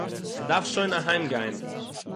איך דארף שוין אהיימגיין